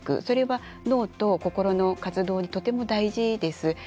それは、脳と心の活動にとても大事です。